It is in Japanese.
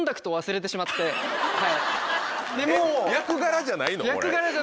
役柄じゃないの？